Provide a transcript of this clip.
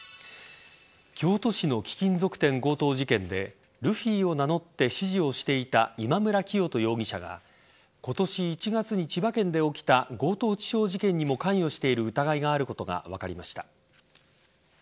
京都市の貴金属店強盗事件でルフィを名乗って指示をしていた今村磨人容疑者が今年１月に千葉県で起きた強盗致傷事件にも関与している疑いがあることが分かりました。